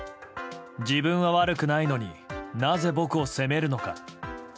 自分は悪くないのになぜ僕を責めるのか？